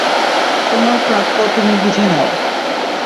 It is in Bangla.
তোমার প্রাপ্য তুমি বুঝে নাও।